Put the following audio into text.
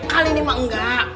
kali ini mah enggak